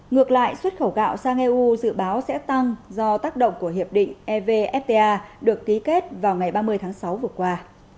ngược lại xuất khẩu gạo sang eu dự báo sẽ tăng do tác động của hiệp định evfta được ký kết vào ngày ba mươi tháng sáu vừa qua